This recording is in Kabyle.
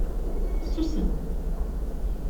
Ssusem!